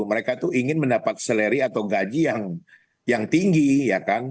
mereka tuh ingin mendapat seleri atau gaji yang tinggi ya kan